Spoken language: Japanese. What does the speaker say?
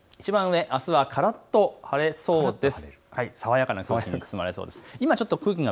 いちばん上、あすはからっと晴れそうです。